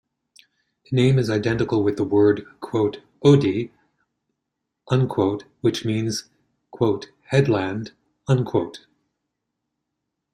The name is identical with the word "oddi" which means "headland".